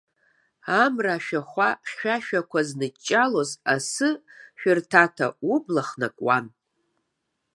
Амра ашәахәа хьшәашәақәа зынҷҷалоз асы-шәырҭаҭа убла хнакуан.